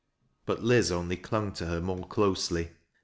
But Liz only clung to her more closely.